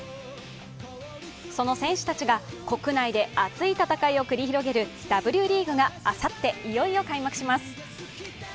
その選手たちが国内で熱い戦いを繰り広げるＷリーグがあさっていよいよ開幕します。